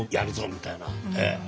みたいな。